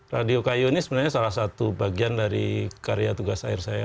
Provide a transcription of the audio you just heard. radio kayu ini sebenarnya salah satu bagian dari karya tugas air saya